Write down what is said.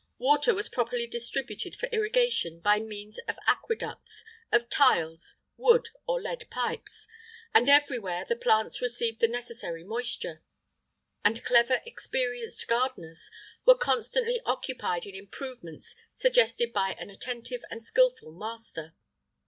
[IX 9] Water was properly distributed for irrigation by means of aqueducts[IX 10] of tiles, wood, or lead pipes,[IX 11] and everywhere the plants received the necessary moisture; and clever experienced gardeners were constantly occupied in improvements suggested by an attentive and skilful master.